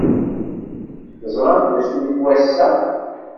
Teẓramt d acu-t wass-a?